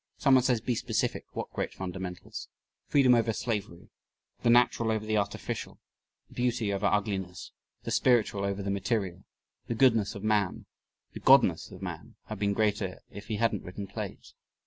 Someone says: "Be specific what great fundamentals?" Freedom over slavery; the natural over the artificial; beauty over ugliness; the spiritual over the material; the goodness of man; the Godness of man; have been greater if he hadn't written plays.